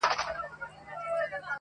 چاویل چي چوروندک د وازګو ډک دی؛